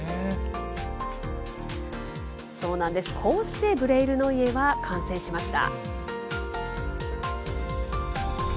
そうなんです、こうしてブレイル・ノイエは完成しました。